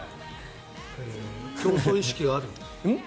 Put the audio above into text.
競争意識がある？